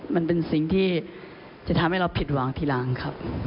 มันเป็นสิ่งที่จะทำให้เราผิดหวังทีหลังครับ